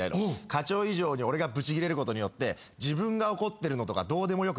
課長以上に俺がブチギレることによって自分が怒ってるのとかどうでもよくなるんだよ。